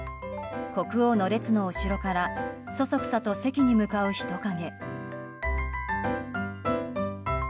国王の列の後ろからそそくさと席に向かう人影。